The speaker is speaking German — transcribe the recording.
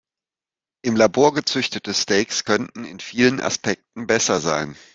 Im Labor gezüchtete Steaks könnten in vielen Aspekten besser sein.